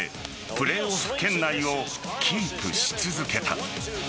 プレーオフ圏内をキープし続けた。